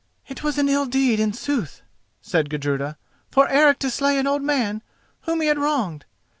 "It was an ill deed in sooth," said Gudruda, "for Eric to slay an old man whom he had wronged.